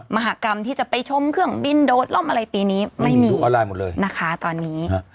มหากรรมที่จะไปชมเครื่องบินโดดรอบอะไรปีนี้ไม่มีนะคะตอนนี้